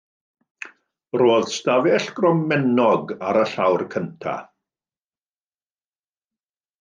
Roedd ystafell gromennog ar y llawr cyntaf.